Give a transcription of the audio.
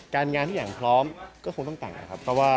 งานทุกอย่างพร้อมก็คงต้องแต่งนะครับ